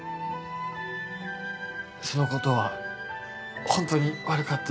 そのことは本当に悪かったと。